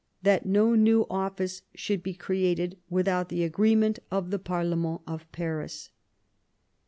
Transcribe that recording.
That no new office should be created without the agreement of the parlement of Paris.